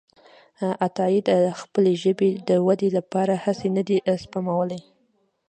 عطاييد خپلې ژبې د ودې لپاره هڅې نه دي سپمولي.